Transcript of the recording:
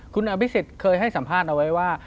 คุณอภิษฎเคยให้สัมภาษณ์เอาไว้ว่า